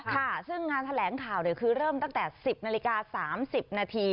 ค่ะซึ่งงานแถลงข่าวคือเริ่มตั้งแต่๑๐นาฬิกา๓๐นาที